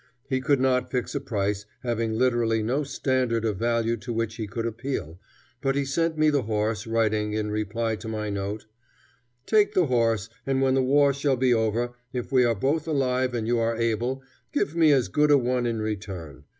He could not fix a price, having literally no standard of value to which he could appeal, but he sent me the horse, writing, in reply to my note, "Take the horse, and when the war shall be over, if we are both alive and you are able, give me as good a one in return.